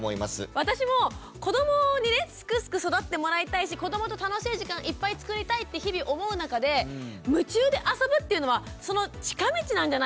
私も子どもにねすくすく育ってもらいたいし子どもと楽しい時間いっぱい作りたいって日々思う中で夢中であそぶっていうのはその近道なんじゃないかというか。